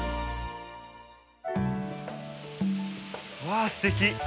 わすてき。